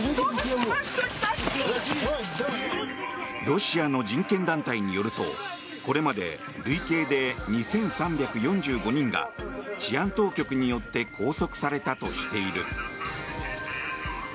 ロシアの人権団体によるとこれまで累計で２３４５人が治安当局によって拘束されたとしている。